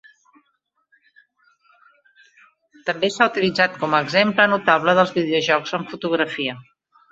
També s'ha utilitzat com a exemple notable dels videojocs amb fotografia.